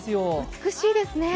美しいですね。